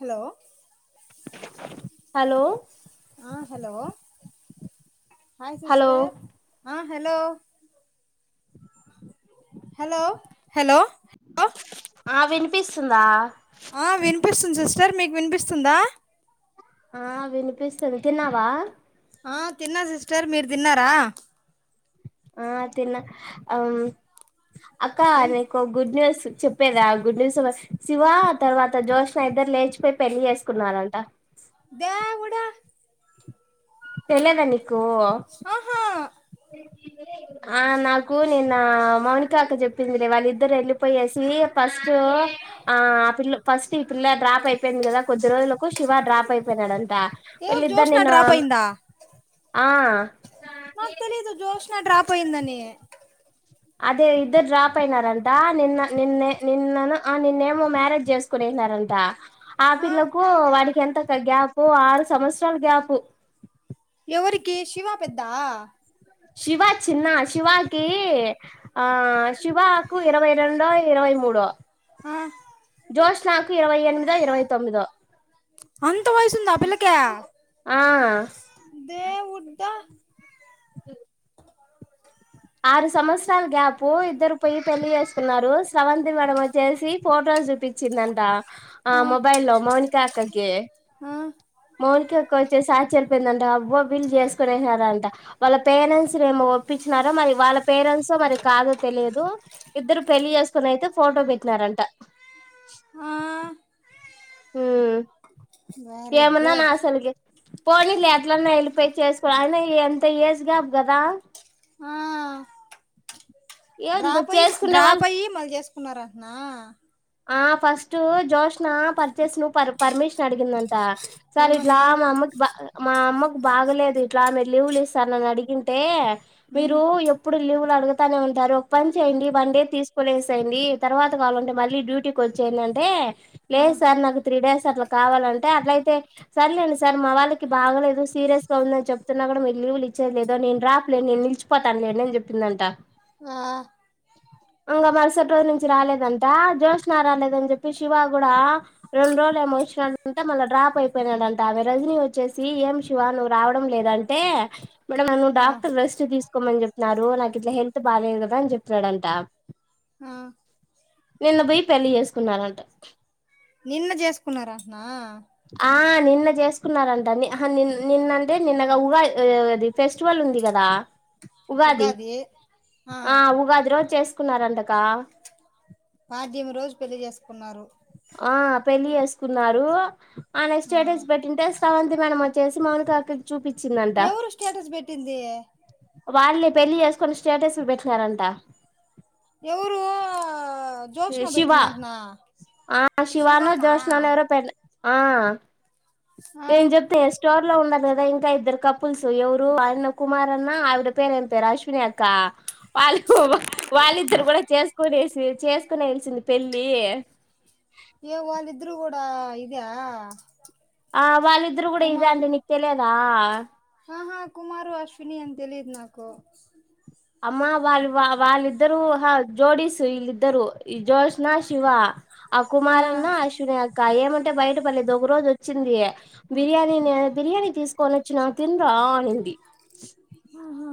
Hello hello ఆ hello hi hello sister ఆ hello hello hello ఆ వినిపిస్సుందా ఆ వినిపిస్తుంది. సిస్టర్ మీకు వినిపిస్తుందా ఆ వినిపిస్తుంది. తిన్నావా ఆ తిన్న సిస్టర్. మీర్ తిన్నారా. ఆ తిన్నా. అం అక్క ఏం నీకో గుడ్ న్యూస్ చెప్పేదా గుడ్ న్యూస్ శివ తర్వాత జోష్న ఇద్దర్లేచిపోయి పెళ్లిి చేసుకున్నారంట ద్యేవుడా తెల్లెదా నీకు ఆహా తేల్వదే ఆ నాకు నిన్నా మౌనికా అక్క చెప్పిందిలే. వాళ్ళిద్దరేళ్ళిపోయేసి ఫస్ట్ ఆ ఆ పిల్ల ఫస్ట్ ఈ పిల్ల డ్రాప్ అయిపోయింది కదా కొద్ది రోజులకు శివ డ్రాప్ అయిపోయినడం ట ఎవరు జోష్నా వీళ్లిద్ధర్నిన్న డ్రాప్ అయిందా ఆ జ్యోష్న డ్రాప్ అయిందని అదే ఇద్దరు డ్రాపయినారంట నిన్న నిన్నే నిన్నను ఆ నిన్నేమో మ్యారేజ్ చేసుకునే పోయినారంట ఆ పిల్లకు వాడికేంతక్క గ్యాపు ఆరు సంవత్సరాలు గ్యాపు ఎవరికి శివా పెద్దా శివా చిన్న శివాకి కి ఆ శివాకు ఇరవై రెండో ఇరవై మూడో హా జోష్నాకు ఇరవై ఎనిమిదో ఇరవై తొమ్మిదో అంత వయసుందా ఆ పిల్లకి ఆ దేవుడ్డా తెల్దు. ఆరు సంవత్సరాలు గ్యాప్ ఇద్దరు పయ్యి పెళ్లి చేసుకున్నారు స్రవంతి మేడం వచ్చేసి ఫోటో చూపిచ్చిందంట ఆ మొబైల్లో మౌనికా అక్కకి ఆ మౌని క క్కోచ్చేసి ఆచర్యపోయిందంట అబ్బో పెళ్ళి చేసుకునేసినరంట వాళ్ళ పేరెంట్సేమో ఒప్పిచ్చినా మరి వాళ్ళ పేరెంట్సో మరి కాదో తెలియదు. ఇద్దరు పెళ్లి చేసుకునయితే ఫోటో పెట్నారంట ఆ మ్ వెరీ ఏమన్ననా గుడ్ అసలుకి పోనీలే అట్లన్న వెళ్ళిపోయి చేసుకో అయిన ఎంత ఏజ్ గ్యాప్ గదా ఆ ఏందో డ్రాపయ్యి మ చేసుకునే వాళ్ళు డ్రాపయ్యి మళ్ళీ చేసుకో కున్నారంట్నా ఆ ఫస్ట్ జోష్న పర్చేస్ను పర్ పర్మిషన్ అడిగిందం టా సార్ ఇట్లా ఏమని మా అమ్మక్ బా మా అమ్మక్ బాగలేదు ఇట్లా మీరు లీవ్లీస్తారని అడిగింటే ఉమ్ మీరు ఎప్పుడూ లీవ్ లడుగుతానే ఉంటారు ఒక పని చేయండి. వన్ డే తీసుకునేసేయండి. తర్వాత కావాలంటే మళ్ ళ్ళి డ్యూటీకి వచ్చేయండంటే ఆ లేదు సార్ నాకు త్రీ డేస్ అట్లా కావాలంటే అట్లయితే సర్లేండి సార్ మా వాళ్ళకి బాగలేదు సీరియస్గా ఉందని చెప్ తున్నా కూడా మీరు లీవు లిచ్చేది లేదు. నేను డ్రాప్లే నేను నిలిచిపోతాన్లే అని చెప్పిందంటా ఆ ఆ ఇంగ మరుసటి రోజు నుంచి రాలేదంటా జ్యోష్న రాలేదని చెప్పి శివ కూడా రెండు రోజులేమో వచ్చినాడంట మళ్ళ డ్రాప్ అయిపోయినాడంట ఆమె రజనీ వచ్చేసి ఏం శివా నువ్వు రావడం లేదం ంటే మేడం నన్ను ఆ డాక్టర్ రెస్ట్ తీసుకోమని చెప్నారు. రు నాకిట్లా హెల్త్ బాగాలేదు కదా అని చెప్పినాడంట. ఆ నిన్న పోయి పెళ్ళి చేసుకున్నారంట నిన్న చేసుకున్నారంటానా ఆ నిన్న చేసుకున్నారంట అహా నిన్ నిన్నంటే నిన్న గా ఉగా అది ఫెస్టివల్ ఉంది గదా ఉగాది ఆ ఉగాది రోజు చేసుకున్నారంటకా పాద్యమి రోజు పెళ్లి చేసుకున్నారు ఆ పెళ్ళి చేసుకున్నారు ఆనె ఆ స్టేడేజ్ పెట్టింటే స్రవంతి మేడం వ చేసి మౌనిక అక్క కి చూపించిందంట ఎవరు స్టేటస్ పెట్టింది వాళ్ళే పెళ్లి చేసుకొని స్టేటస్ లు పెట్టినారంట ఎవరు జోష్నా శివ పెట్టిందంటనా ఆ శివనో శివానా జ్యోష్ననో ఎరో పె ఆ ఆ నేం చెప్తే ఎస్టోర్ లో ఉన్నారు గదా ఇంకా ఇద్దరు కపుల్స్ ఎవరు ఆయన్న కుమార్ అన్న ఆవిడ పేరు ఏం పేరు అశ్విని అక్క వాళ్ళు వాళ్ళిద్దరు కూడా చేసుకుని ఏసి చేసు కోనేయిల్ సింది పెళ్ళి ఆ ఇదా ఆ వాళ్ళిద్దరు గూడా ఇదే కుమార్ అంటా నీకు తెలియదా ఆహా కుమారు అశ్వినీ తేలిదు నాకు అమ్మ వాళ్ళ వాల్లు వా వాళ్ళిద్దరు హ జోడీస్ ఇల్లిద్దరు ఈ జోస్నా శివ ఆ కుమారన్నా అశ్విని అక్క ఏమంట అంటే బయటపడలేది ఒక రోజు వచ్చింది బిర్యానీ బిర్యానీ తీసుకొని వచ్చిన తినురా అనింది [inaudible] ఆహా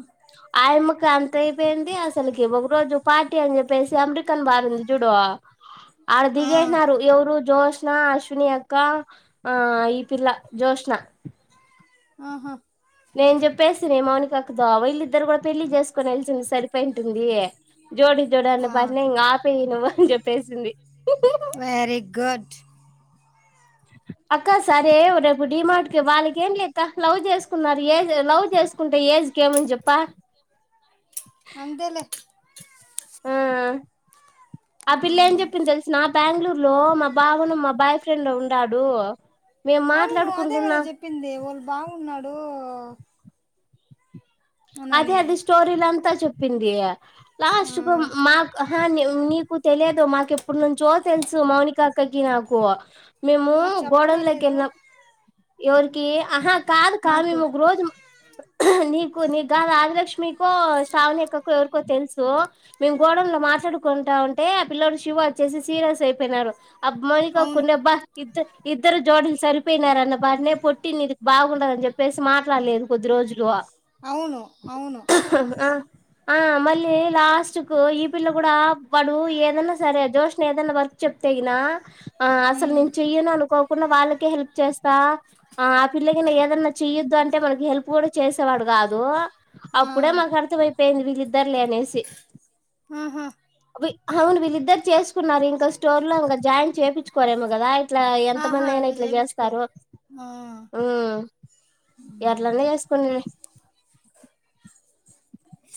ఆయమ్మకు అంత అయిపోయింది అసల్ అసలకి ఒక రోజు పార్టీ అని చెప్పేసి అమెరికన్ బారింది జూడు ఆడ ఆ దిగేసినారు ఎవరు జ్యోస్నా అశ్విని అక్కా ఆ ఈ పిల్లా జ్యోస్నా ఆహా నేను చెప్పేస్తిని మౌనికక్కతో వీళ్ళిద్దరు గూడా పెళ్ళి చేసుకోనేల్ సింది సరిపోయింటుంది జోడి జోడని ఆ పట్నే ఇంగ ఆపేయి నువ్వు అని చెప్పేసింది వెరీ గుడ్ అక్క సరే రేపు డిమార్టు కి వాళ్ళకెం ఏం లేక్క లవ్ చేసుకున్నారు ఏ లవ్ చే చేసుకుంటే ఏజ్ కేమని చెప్ప అంతే లె మ్మ్ ఆ పిల్ల ఏం జెప్పింది దేల్సునా బ్యాగుళూరులో మా బావను మా బాయ్ ఫ్రెండు ఉండాడూ. ఔను అదె కద జెప్పింది వాల్ బావ వున్నాడు. అదె అది స్టోరీలంత చెప్పిందీ. ఆ లాస్ట్ కు మాక్ అహ ని నీక్ నీకు తెలియదు మాకెప్పుడు నుంచో తెల్సు మౌనిక అక్కకి నాకు మేమూ మరి చెప్పనే గోడౌన్ లోకి లేదు ఎళ్ళినామ్ ఏవురికి ఆహ కాదు కా నాకు మేమ్ ఒక రోజు నీకు నీకు కాదు ఆదిలక్ష్మికో శ్రావణిక్కకొ ఏవరికో తెలుసు మేం గోడౌన్ లో మాట్లాడుకుంటా ఉంటే ఏ అపిల్లోడు శివ వచ్చేసి సీరియస్ అయ్ పోయ్నారు అబ్ మౌనికక్క అవును ఉల్య బ్బ ఇద్దర్ ఇద్దరు జోడీలు సరిపోయినారన్న బాట్నె పొట్టి నీది బాగుండదని జెప్పేసి మాట్లాడలేదు కొద్ది రోజులు అవును అవును ఆ ఆ మళ్ళీ లాస్ట్ కు ఈ పిల్ల గూడ వాడు ఏదన్న సరె జోస్నా ఏదన్న వర్క్ చెప్తెగినా ఆ అసల్ ఉమ్ నేను చేయ్యను అనుకొ ఉన్న వాళ్ళకె హెల్ప్ చేస్తా ఆ అపిల్ల గన ఏదన్న చెయ్యొద్దు అంటె మనకి హెల్ప్ కూడ చేసెవాడు గాద్ కాదూ ఆ అప్పుడె మాకు అర్థం అయిపోయింది వీళ్ళిద్దరులె అనేసి ఆహా వి హౌను వీళ్ళిద్దర్ చేస్ కున్నారు. యింక స్టోర్ లొ ఇంగ జాయిన్ చేపిచ్చుకోరెమొకదా? ఇట్లా ఎంత ఆహా మంది అయిన ఇంక ఇట్ల జేస్తారు. చేపిచ్చుకోరు ఆ హూమ్ ఎట్లన్న జేస్ కోనీలె,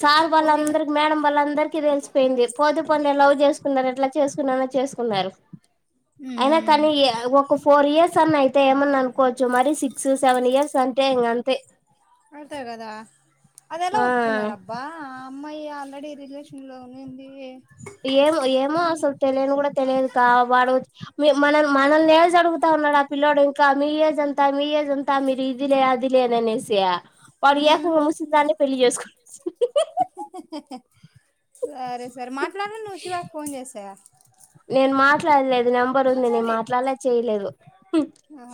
సార్ వాళ్ళ పోనీలే అందర్ కి, మేడం వాళ్ళ అందరికి దెల్ స్ పొయింది. పోతె పోన్ లె లవ్ జేస్ కున్నార్ అట్ల చేసుకున్నామ చేస్ కున్నారు. అయిన ఉమ్ కానీ య ఒక ఫోర్ ఇయర్స్ అన్న అయితే, ఏమన్న అనుకోవచ్చు ‌మరి సిక్స్ సెవెన్ ఇయర్స్ అన్ అంటె ఇంగ అంతె, అంతే గదా, అదె ఎలా ఒప్పుకున్నార్ అబ్ బా ఆ అమ్మాయి, ఆల్రెడి రిలేషిన్ లొ ఉనిందీ. యేమొ యేమో, అసల్ తెలేన్ గూడ తెలియదు కా, వాడు మేమ్ మనల్ న్ మనల్ నేజ్ అడుగుత ఉన్నాడు. ఆ పిల్లోడు, యింక మీ ఏజ్ ఎంత మీ ఏజ్ ఎంత? మీరు ఇదిలే అదిలే అని. అనేశ్యా, వాడు యేకంగ ముసిల్ దాన్నె పెళ్లి జేస్ కోనివచ్చి సరె సరె మాట్లాడ్లా నువ్ శివాక్ ఫోన్ జేసె, నేన్ మాట్లాడలేదు నెంబర్ ఉంది. నేను మాట్లాడలేద్ చెయ్ లేదు. ఉమ్ ఆ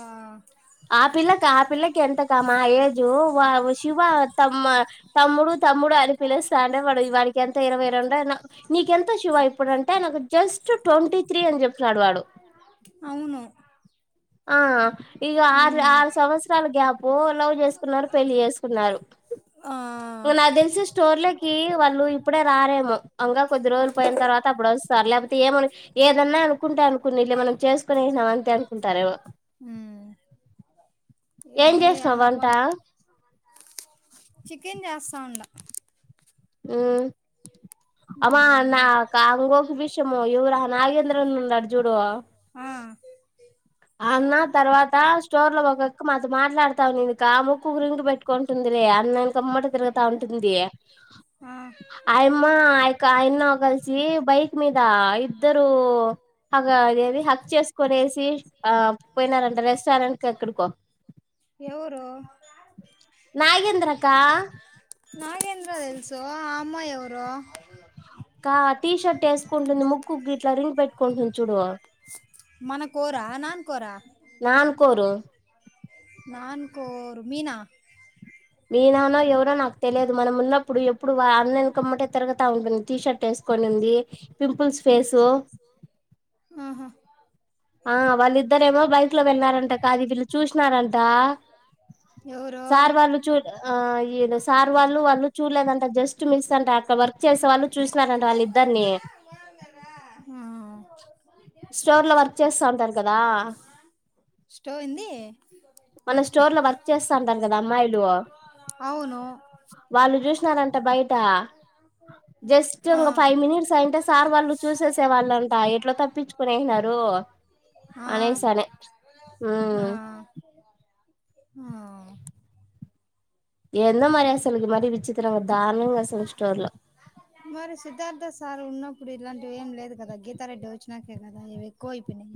ఆ పిల్లక ఆ పిల్లకి, ఎంతక మా ఏజు వావ్ శివ తమ్మ్ తమ్ముడు తమ్ముడు అని పిలిస్త అండె వాడు, వాడికి ఎంత ఇరవై రెండు, న నీకెంత శివ యిప్ ఇప్పుడు అంటె, నాకు జస్ట్ ట్వంటి త్రీ అని జెప్, ఔను, ఆ ఇగ ఆర్ ఆరు సంవత్సరాల గ్యాపు, లవ్ జేస్ కున్నారు. పెళ్లి జేస్ కున్నారు. ఆ ఇంగ నాగ్ దెల్సి స్టోర్లకీ, వాళ్ళు ఇప్పుడె రారేమొ, అంగ కొద్ది రోజుల్ పోయిన తర్వాత అబుడు ఒసర్ లేపోతె ఏమొలె, ఏదన్న అనుకుంటె అన్ కోనీలె, మనం చేస్ కునేస్ నాం అంతె అనుకుంట. ఊమ్మ్ ఏం ఏమో లే చేసినావ్ ఏమన్న వంట బొని, చికెన్ జేస్త ఉండ. ఊ అమ్మా ఉమ్ నాకాంగోకు విషము, యెవురా నాగేంద్రన్న ఉండాడు జూడు, ఆ ష్ ఆన్న తర్వాతా, స్టోర్ లొ ఒక అక్క మాతొ మాట్లాడతావునింది. కా ముక్కుకి రింగు పెట్టుకో ఉంటుందిలె. అదె ఎనకమ్మట తిరుగుత ఉంటుంది. ఆ అయమ్మ ఆయక సాయన్న కల్ సి బైక్ మీద ఇద్దరూ అగొ అదేది హక్ చేస్కొనేసి- ఆ పొయ్ నారంట, రెస్టారెంట్ కొ ఎక్కడికొ, ఎవరు నాగేంద్రక్కా నాగేంద్ర దెల్సు, ఆ అమ్మాయి ఎవరు? కా టీ షర్ట్ వేసుకుంటుంది ముక్కు కిట్లా రింగ్ పెట్టుకుంటుంది చూడు మన కోరా నాన్ కోరా నా అనుకోరు నాన్ కోరు మీనా మీనానో ఎవరో నాకు తెలేదు మనం ఉన్నప్పుడు ఎప్పుడు వ అన్న ఎనకమ్మటే తిరుగతా ఉంటుంది టీ షర్ట్ వేస్ కొని ఉంది ఆహా ఆ వాళ్ళిద్దరేమో బైక్ లో వెళ్ళారంట కా అది వీళ్ళు చూసినారంట ఎవరు సార్ వాళ్ళు చూ ఆఈడ సార్ వాళ్ళు వాళ్ళు చూలేదంట జస్ట్ మిస్ అంట అక్క వా వర్క్ చేసే వాళ్ళు చూసినారంటే వాళ్ళ ఇద్దరిని ఆ స్టోర్ లో వర్క్ చేస్తా ఉంటారు కదా స్టోఏంది మన స్టోర్ లో వర్క్ చేస్తా ఉంటారు కదా అమ్మాయిలు అవును వాళ్ళు చూసినారంట బయట జస్ట్ ఆ ఇంగ ఫైవ్ మినిట్స్ అయింటె సా ఆర్ వాళ్ళు చూసేసే వాళ్ళంట ఎట్లా తప్పించుకునేసినారు ఆ అనేసి అనే ఉమ్ ఉమ్. ఏందో మరి అసలుకి మరి విచిత్రంగా. దాణంగాసం స్టోర్ లో. చిన్నప్పుడు ఇలాంటివేవీ లేవు కదా గీతారెడ్డి వచ్చినంక ఇవి ఎక్కువైపోయినయ్..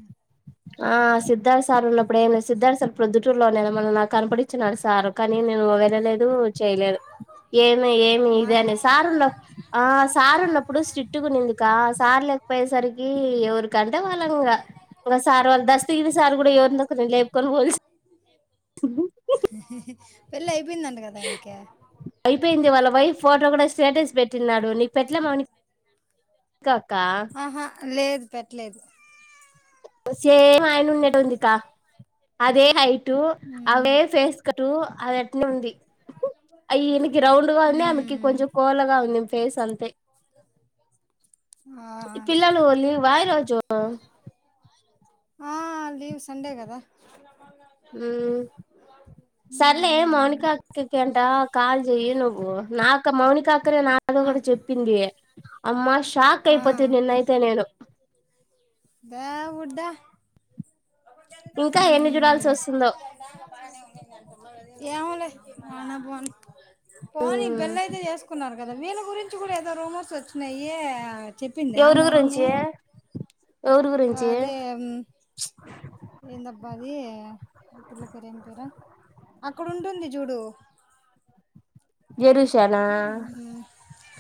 ఆ సిద్ధార్థ సార్ ఉన్నప్పుడు ఏం సిద్ధార్థ సార్ ప్రొద్దుటూరులోనే మనం నాకు కనపడి. వినడు సారు కానీ నేను వెళ్ళలేదు చేయలేదు ఏమి ఏమి ఇదే అని మాటలు సార్ల్లో. ఆ సార్ ఉన్నప్పుడు స్్రిట్టు కొనేందుక సార్ లేకపోయేసరికి ఎవరికి. గర్ద వాలంగా. ఒక సార్ వాళ్ళు దస్తకిిన సార్ కూడా ఎవరిందిక్క నేను లేపుకొని పోలి. పెళ్ళి అయిపోయిందండి కదా ఆయనక. అయిపోయింది వాళ్ళ వైఫ్ ఫోటో కూడా స్టేటస్ పెట్టినాడు నీకు పెట్టలే అవని. ఇంకా క. ఆహా లేదు పెట్టలేదు. సేమ్ అయన ఉన్నేట ఉందికా అదే హైట్. ఉమ్ అవే ఫేస్ కట్టు అది అట్నే ఉంది. ఈయనకి రౌండ్ గా ఉంది ఆమెకి ఉమ్ కొంచెం కోలగా ఉంది ఫేస్ అంతే. ఆ పిలాలు వలీ వాయిరు చ. ఆ లీవ్ సండే కదా. ఉమ్. సర్లే ఉమ్ మౌనికక్కకంట కాల్ జయయిి నువ్వు నాక మౌనిక. అక్కడే నాతో ఆ కూడా చెప్పింది అమ్మా షాక్ అయిపోత నిన్నయితే నేను. ఎవ. ఇంకా ఎన్ని చూడాల్సి ఉమ్ వస్తుందో. ఏమలే అనా పో పోనీ మ్మ్ పెళ్లి అయితే చేసుకున్నారు. కదా వీళ్ళ గురించి కూడా ఏదో రూమోస్ వచ్చినాయ. ఎవరి చెప్పిందామని. గురించి ఎవరి గురించి అదే ఎంత బా. అది పిల్ల పేరు ఏం పేరు అక్కడ ఉంటుంది చూడు. జెరూషణ.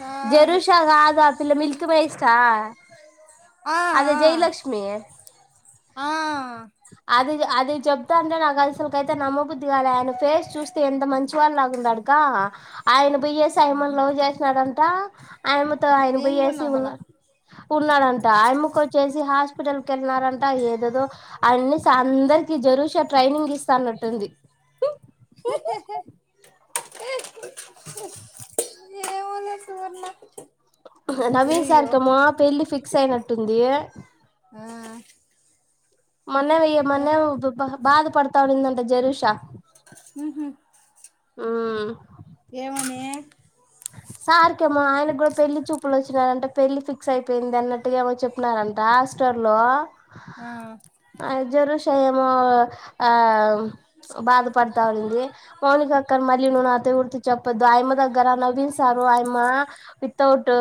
కాదు జరుూష కాదు ఆ పిల్ల మిల్క్ పేస్ట్ ఆ. ఆ అదే ఆ జయలక్ష్మిీే. ఆ. అది అది. అది చెబప్తా అంటే నాకు అసలుకైతే నమ్మబుద్ధిగాలి ఆయన ఫేస్ చూస్తే ఎంత మంచి వాళ్ళ లాగా ఉన్నాడుగా. ఆయన బియ్యే సైమంలో చేసినాడంట. అయమ్మతో ఆయన నేను కూడా పోయ్యేసి నమ్మల ఉన్నా ఉన్నాడంట అయమ్మకు వచ్చేసి హాస్పి. హాస్పిటల్ కి వెళ్ళారట ఏదేదో. అన్ని అందరికి జరూష ట్రైనింగ్ ఇస్తానట్టుంది. ఏమోలే సువర్ణ. నవీన్ అయ్యయ్యో సార్కమ్మా పెళ్లిి ఫిక్స్ అయినట్టుంది. ఆ మొన్న ఏ మొన్న బాధ పడతా ఉడుందంట జరూషా. ఉమ్. ఉమ్. ఏమని. సార్కిేమో ఆయనకు కూడా పెళ్ళలి చూపులు వచ్చినారంటే పెళ్లిి ఫిక్స్ అయిపోయింది అన్నట్టుగా ఏమో చెప్ప్పినారంట. లాస్ట్ ఇయర్ లో ఆ జరుష ఏమో ఆ. బాధపడతా ఉంది మౌనిక అక్కడ మళ్ళీ నువ్వు అత గుర్తి చెప్పొద్దు ఆయమ దగ్గరన్న. హాయ్ అమ్మ వితౌట్.